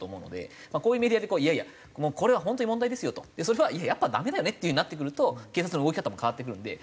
こういうメディアでいやいやこれは本当に問題ですよとそれはやっぱダメだよねっていう風になってくると警察の動き方も変わってくるんで。